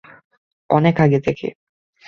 অনেক আগে থেকে।